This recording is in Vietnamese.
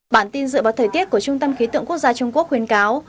bản tin dựa vào thời tiết của trung tâm khí tượng quốc gia trung quốc khuyên cáo